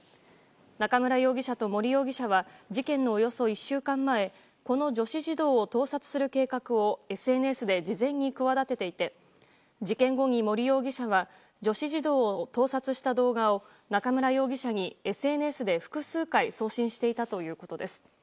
中村容疑者と森容疑者は事件のおよそ１週間前子の女子児童を盗撮する計画をＳＮＳで事前に企てていて事件後に、森容疑者は女子児童を盗撮した動画を中村容疑者にＳＮＳで複数回送信していたということです。